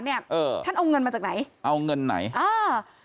เออท่านเอาเงินมาจากไหนเอาเงินไหนอ่า